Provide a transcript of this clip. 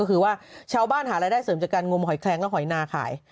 ก็คือว่าชาวบ้านหารายได้เสริมจากการงมหอยแคลงและหอยนาขาย